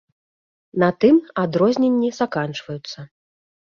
На тым адрозненні заканчваюцца.